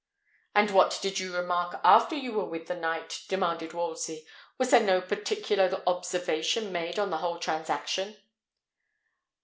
"And what did you remark after you were with the knight?" demanded Wolsey. "Was there no particular observation made on the whole transaction?"